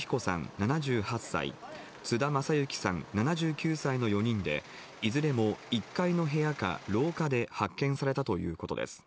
７８歳、津田正行さん７９歳の４人で、いずれも１階の部屋か、廊下で発見されたということです。